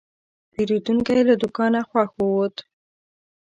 پیرودونکی له دوکانه خوښ ووت.